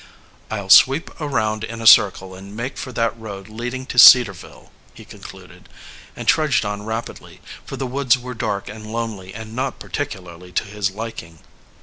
"I'll sweep around in a circle and make for that road leading to Cedarville," he concluded, and trudged on rapidly, for the woods were dark and lonely and not particularly to his liking.